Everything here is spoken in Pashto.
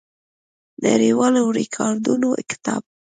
نړیوالو ریکارډونو کتاب